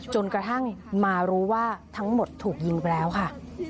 จนกระทั่งมารู้ว่าทั้งหมดถูกยิงไปแล้วค่ะ